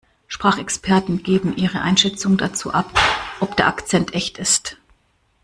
Sprachexperten geben ihre Einschätzung dazu ab, ob der Akzent echt ist.